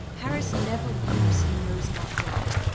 Harris never "weeps, he knows not why."